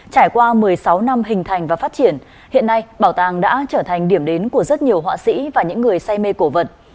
trải qua một mươi sáu năm hình thành và phát triển hiện nay bảo tàng đã trở thành điểm đến của rất nhiều họa sĩ và những người say mê cổ vật